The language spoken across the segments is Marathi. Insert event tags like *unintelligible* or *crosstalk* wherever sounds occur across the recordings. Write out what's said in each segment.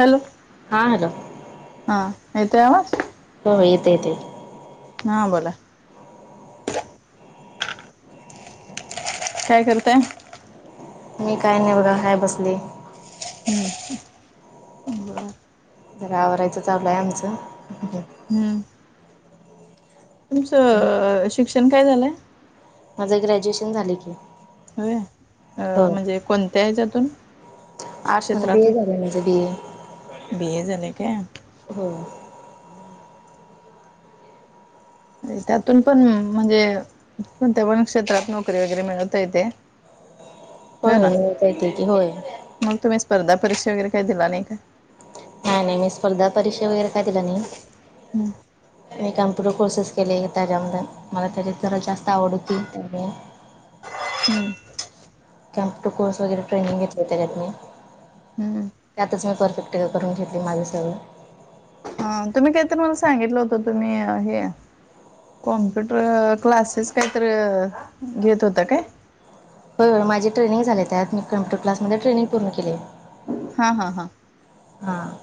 हॅलो हा... हॅलो हा... येतोय आवाज हो... येतो येतोय हा बोला काय करताय! मी काय नाही बघा काय बसली. हम् जरा आवरायचं चाललं आहे आमचं, हम्म. तुम्ही तुमचं शिक्षण काय झालंय? माझं ग्रॅज्युएशन झा की, होय हो म्हणजे कोणत्या हयाच्यातून, आर्टस मधून बी ए झालंय माझ बी ए बी ए झालय काय. हो. त्यातून पण म्हणजे, कोण त्या पण क्षेत्रात नोकरी वगैरे मिळवता येते. होय मिळवता का येत की होय. मग तुम्ही स्पर्धा परीक्षा वगैरे काही दिला नाही काय नाही नाही मी स्पर्धा परीक्षा वगैरे काय दिल नाही. हम्म मी कॅम्प्युटर कोर्सेस केले, त्याच्यात मला जरा जास्त आवड होती. *unintelligible* हम्म कॅमप्युटर कोर्स वगैरे ट्रेनिंग घेतली, त्याच्यात मी त्यातच मी परफेक्ट ट्रैनिंग करून घेतली माझं सगळं ह तुम्ही काहीतरी मला सांगितलं होतं तुम्ही हे कॉम्प्युटर क्लासेस काहीतरी घेत होता काय? हो य माझी ट्रेनिंग झाले, त्यात मी कॉम्पुटर क्लासमध्ये ट्रनिंग पूर्ण केली. हा हा हा. हां.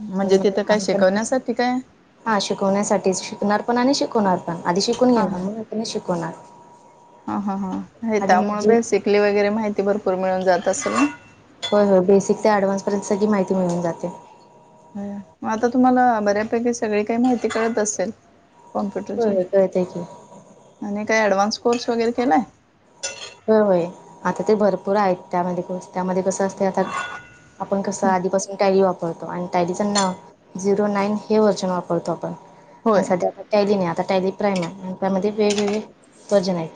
म्हणजे, तिथं काय शिकवण्यासाठी ह. काय हा शिकवण्यासाठीच शिकणार पण आणि शिकवणार, पण आधी शिकून हा घेणार मग मी शिकवनार. ह ह हां हे त्यामुळे बेसिकली वगैरे माहिती भरपूर मिळून जात असेल ना. होय होय बेसिक ते ऍडव्हान्स पर्यंत सगळी माहिती मिळून जाते. मग आता तुम्हाला बऱ्यापैकी सगळी काही माहिती कळत असेल. कॉम्प्युटरची होय होय कळतय की आणि काय ऍडव्हान्स कोर्स वगैरे केलाय? हो होय आता ते भरपूर आहेत त्. यामध्ये क त्यामध्ये कसं असते आता आपण कसं आधीपासून काही वापू आणि त्याआधीच नाव झिरो नाईन हे व्हर्जन वापरतो आपण होय सध्या टॅली नाही आता टॅली प्राईम आहे. आणि त्यामध्ये वेगवेगळे वर्जन आहेत.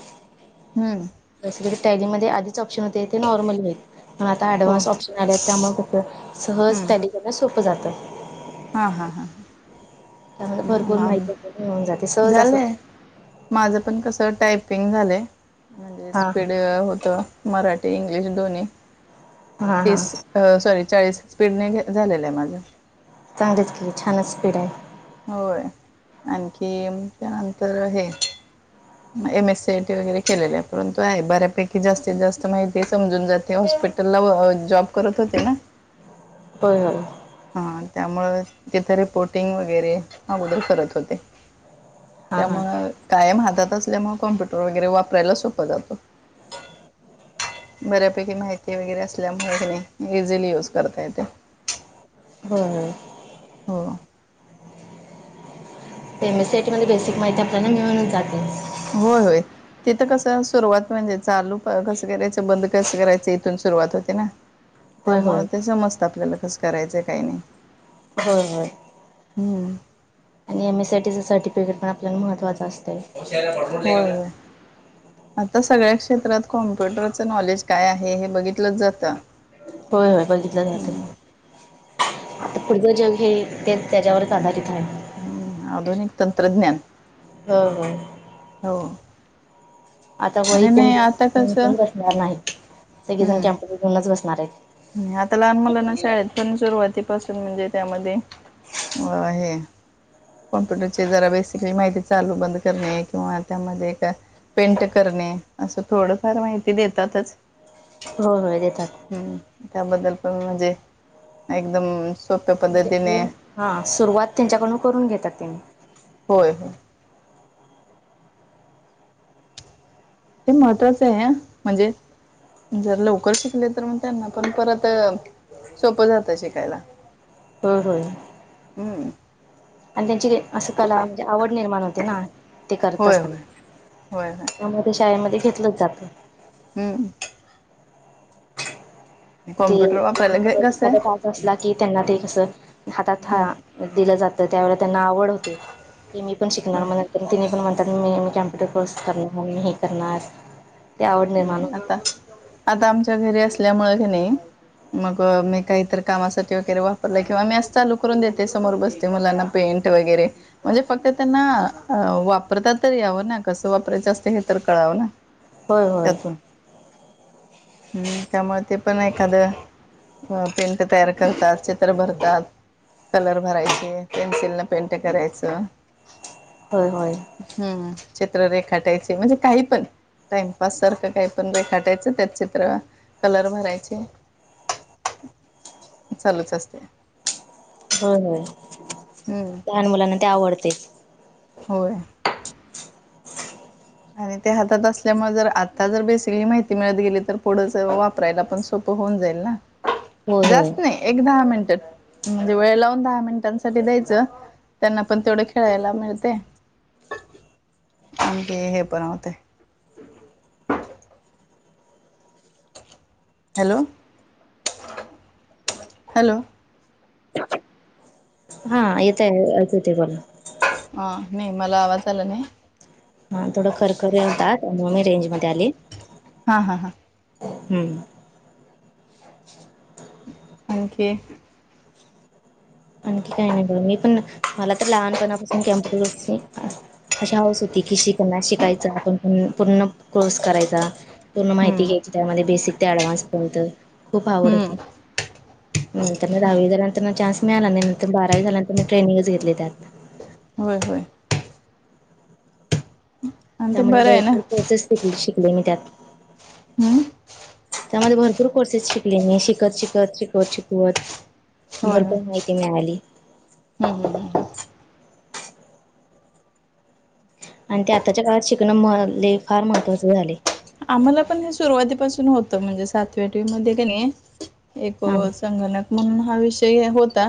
हम्म जसं की टॅलीमध्ये आधीच ऑप्शन होते ते नॉर्मल आहेत, पण आता हो ऍडव्हान्स ऑप्शन त्यामुळे कसं सहज टॅली करणं सोपं जात. हां हां हां त्यामध्ये भरपूर माहिती आपल्याला मिळून जाते सहज असं झाले. माझं पण कसं टायपिंग झालंय म्हणजे हां हां स्पीड होत. मराठी इंग्लिश दोन्ही हां हां तीस सॉरी चाळीस स्पीडने झालेलं आहे माझं. चांगलीच केली छानच स्पीड आहे. होय. आणखी त्यानंतर हे, एम एस सीयटी वगैरे केलेल्या आहे. परंतु आहे बऱ्यापैकी जास्तीत जास्त माहिती समजून जाते. हॉस्पिट त्याला जॉब करत होते ना. होय होय. हा त्यामुळे तिथे रिपोर्टिंग वगैरे अगोदर करत होते हां हां त्यामुळे कायम हातात असल्यामुळे कॉम्प्युटर वगैरे वापरायला सोपं जातं बऱ्यापैकी माहिती वगैरे असल्यामुळे इझिली युज करता येते हम हो एमसीआयटी मध्ये बेसिक माहिती आपल्याला मिळून जाते होय होय तिथ कसं सुरुवात म्हणजे चालू कसं करायचं बंद कसं करायचं इथून सुरुवात होते ना होय त्यामुळे होय ते समजत आपल्याला कसं करायचंय काही नाही हो ह हम्म आणि एम एस सी आय टीचं सर्टिफिकेट पण आपल्याला महत्त्चं असते. होय हो. आता सगळ्या क्षेत्रात कॉम्प्युटरचं नॉलेज काय आहे हे बघितलं जातं. होय होय को किद झाते हम्म आता पुडज जंग हे ते त्याच्यावरच आधारित आहे हम्म आधुनिक तंत्रज्ञान ह ह हो आता आणि वथण नाही आता कसं बसणार नाही सगळेजण हम्म. कॅमपस घऊनच बसणार आहेत. आता लहान मुलांना शाळेत पण सुरुवातीपासून म्हणजे त्यामध्ये. होय कॉम्प्युटरची जरा बेसिकली माहिती चालू बंद करणे किंवा त्यामध्ये. पेंट करणे असं थोडंफार माहिती देतातच. हो होय देतात. हम्म त्याबद्दल पण म्हणजे एकदम. सोप्या म्हणजे पद्धतीने हा सुरुवात त्यांच्याकडून करून घेतात त्यांम्ही. होय. ते महत्त्वाच आहे म्हणजे जर लवकर शिकले तर मग त्यांना पण परत. सोपं जात शिकायला. ह ह हम्म. आणि त्यांची असं कला म्हणजे आवड निर्माण होते ना. ते होय करतच नाही होय होय होय त्या ते शाळेमध्ये घेतलं जातं. हम्म. ते कॉम्प्युटर एक वापरायला घ कसं आहे क. असला की त्यांना ते कसं हातात हम्म दिलं जातं त्यावेळेला त्यांना आवड होते. ते मी पण शिकणार होय म्हण तिने पण म्हणतात मी मी कॉम्पटूर कोर्स करणार मी हे करणार. ते आवड निर्माण नाही होते. आता आता आमच्या घरी असल्यामुळे क नाही. मग मी काहीत कामासाठी वगैरे वापरलं किंवा मी अस चालू करून देते समोर बसते मुलांना. पेंट वगैरे. म्हणजे फक्त त्यांना वापरता तर यावं ना कसं वापरायचं असतं हे तर कळावं ना. होय होय. त्यातून हम् त्यामुळे ते पण एखादं. अ पेंट तयार करतात चित्र भरतात. कलर भरायचे पेन्सिल न पेंट करायचं. होय होय... हम्म चित्ररेखाटायचे म्हणजे काही पण टाईम पाससारखं काही पण रे खाटायचं त्यात चित्र कलर भरायचे. चालूच असते. *unintelligible* हम्म. लहान मुलांना ते आवडते. होय. आणि ते हातात असल्यामुळे जर आता जर बेसिकली माहिती मिळत गेली तर पुढच वापरायला पण सोप पं होऊन जाईल ना होय होय जास्त नाही एक दहा मिनिट म्हणजे वेळ लावून दहा मिनिटांसाठी द्यायचं. त्यांना पण तेवढ खेळायला मिळते आणखी हे पण होते. Hello hello. हा येतय आणखीन ते बोला. हा, नाही मला आवाज आला नाही. हा थोडं खरखरी होतात म्हणून मी रेंज मध्ये आली. हा हा हा. हम्म. आणखी आणखी काही नाही ग मी पण मला तर लहानपणापासून कॅम्प्यूटर अशी हौस होती कि शिकना शिकायचा आपण पण पूर्ण कोर्स करायचा पूर्ण माहिती हम्म, घ्यायची त्यामध्ये बेसिक ते ऍडव्हान्स पयंत खूप आवड होती. हम्म. म नंतर ना दहावी झाल्यानंतर चान्स मिळाला नाही नंतर बारावी झाल्यानंतर मी ट्रेनिंगच घेतली त्यात. होय होय. आणि ते त्यामुळे बरं आहे ना भरपूर कोर्सेसिक शिकले मी त्यात. हा. त्यामध्ये भरपूर कोर्सेस शिकले मी शिकत शिकत शिकवत शिकवत होय होय भरपूर माहिती मिळाली. हम्म हम्म हम्म. आणि ते आत्ताच्या काळात शिकणं म लई फार महत्त्वाचे झालय. आम्हाला पण हे सुरुवातीपासून होतं म्हणजे सातवी आठवी मध्ये नाहीये एक हा संगणक म्हणून हा विषय होता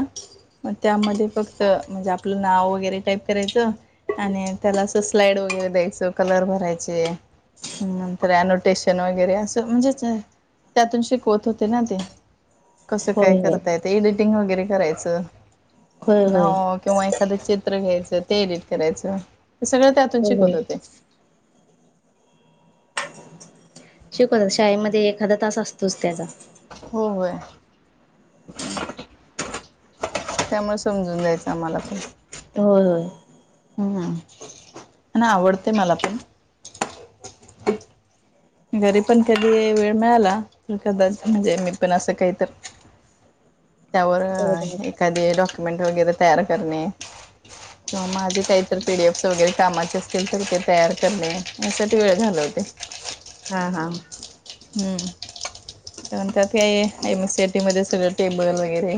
मग त्यामध्ये फक्त म्हणजे आपलं नाव वगैरे टाईप करायचं आणि त्याला अस स्लाइड वगैरे द्यायचं कलर भरायचे हम्म नंत र एनोटेशन वगैरे असं म्हणजेच त्यातून शिकवत होते ना ते कसं काय होय होय करतायेत एडिटिंग वगैरे करायचं होय ना होय किंवा एखादं चित्र घ्यायचं ते एडिट करायचं हे सगळं त्यातून होय शिकत होय होते. शिकवतात शाळेमध्ये एखादा तास असतोच त्याचा होय. *unintelligible* त्यामुळे समजून जायचं आम्हाला पण होय होय. हम्म हम्म. आणि आवडतय मला पण घरी पण कधी वेळ मिळाला तर कदाचित म्हणजे मी पण असं काहीतर त्यावर करत बसतात एखादे डॉक्युमेंट वगैरे तयार करणे किंवा माझे काहीतर पी डी एफ च वगैरे कामाचे असतील तर ते तयार करणे याच्यात वेळ घालवते. हां हां. हम्म. *unintelligible* मध्ये सगळ टेबल वगैरे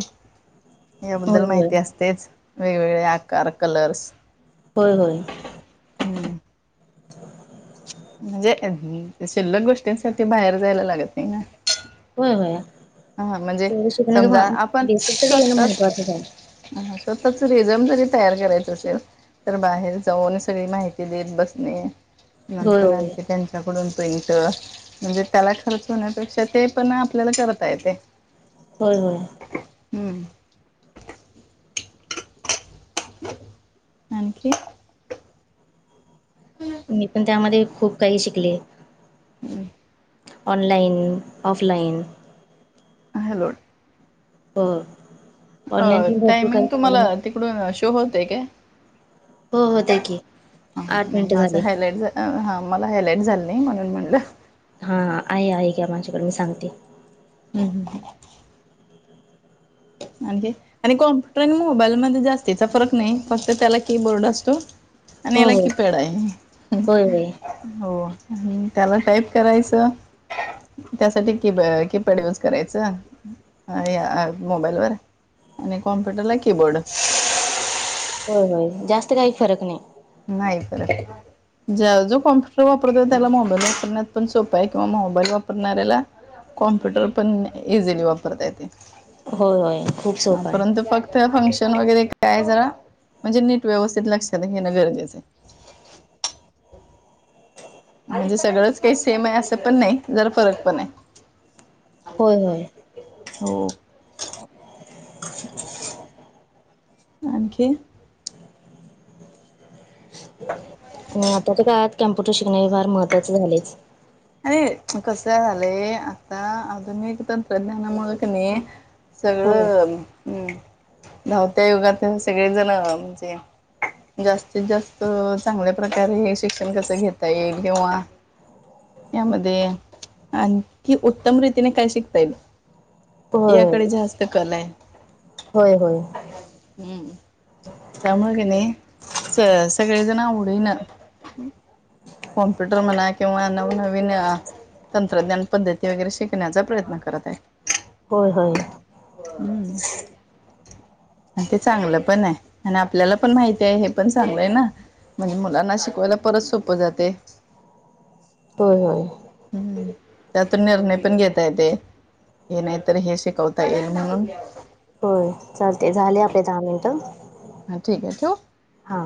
याबद्दल होय होय माहिती असतेच, वेगवेगळे आकार, कलर्स होय होय. हम्म म्हणजे शिल्लक गोष्टींसाठी बाहेर जायला लागत नाही ना होय, होय हा म्हणजे ते शिकण समजा आपण बेसिक तरी ये ना स्वतःच महत्त्वाचच हाय. ह स्वतःच रिजन तरी तयार करायचं असेल. तर बाहेर जाऊन सगळी माहिती देत बसणे होय नंतर होय आणखी त्यां त्याकडे प्रिंट त्याला खर्च होण्यापेक्षा ते पण आपल्याला कर ता य ते हम्म, हम्म. हम्म. आणखी. मी पण त्यामध्ये खूप काही शिकले. हं. Online, offline. हॅलो. हो, हो. अ टायमिंग तुम्हाला तिकडून शो होतय काय? हो हो दे की ह आठ नाही मिनिटं माझं झाले हायलाइट झा हां मला हायलाइट झाल नाही म्हणून म्हटलं. हा, हा, हाय घ्या माझ्या बरोबर सांगते. हम्म, हम्म. आणखी आणि कॉम्प्युटर आणि मोबाईलमध्ये जास्तीचा फरक नाही फक्त त्याला कीबोर्ड असतो. आणि हो याला हो की, पॅड आहे. होय होय हो आणि त्याला टाईप करायचं. त्यासाठी की की, पॅड युज करायचं या मोबाईलवर आणि कॉम्प्युटर ला कीबोर्डच. हो, होय जास्त काही फरक नाही. नाही ब ज्या जो कॉम्प्युटर वापरत त्याला मोबाईल वापरण्यात पण सोपां आहे किंवा मोबाईल वापरणाऱ्याला कॉम्प्युटर पण इझिली वापरता येते. होय, होय. खूप सोपं आहे परंतु तर फंक्शन वगैरे काय जरा म्हणजे नीट व्यवस्थित लक्षात घेणं गरजेचय. म्हणजे सगळंच काही सेम आहे असं पण नाही जरा फरक पण आहे. होय होय हो आणखी? *unintelligible* आणि आताच्या काळात कॅम्प्युटर शिकणे हे फार महत्त्वाचें झालेच. अरे कसं झालंय आता आधुनिक तंत्रज्ञानामुळे नाही. होय सगळं हम्म धावत्या युगात सगळे जण म्हणजे जास्तीत, जास्त चांगल्या प्रकारे हे शिक्षण कसं घेता येईल किंवा यामध्ये आणखी उत्तम रीतीने काय शिकता येईल? होय याकडे जास्त कल आहे. होय, होय. हम्म. त्यामुळे नाही स सगळेजण आवडीन कॉम्प्युटर म्हणा किंवा नवनवीन अ तंत्रज्ञान पद्धती वगैरे शिकण्याचा प्रयत्न करत आहे. होय, होय. हम्म. आणि ते चांगलं पण आहे आणि आपल्याला पण माहिती आहे हे पण चांगलंय ना. म्हणजे मुलांना शिकवायला परत सोप जाते. होय, होय. हम्म त्यातून निर्णय पण घेता येते. ते नाहीतर हे शिकवता येईल म्हणून. होय चालते झाले आपले दहा मिनिटं. हां ठीक आहे ठेऊ. हा.